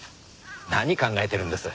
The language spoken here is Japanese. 何考えてるんです。